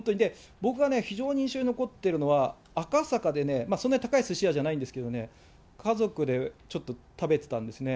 僕がね、非常に印象に残っているのは、赤坂で、そんなに高いすし屋じゃないんですけれどもね、家族でちょっと食べてたんですね。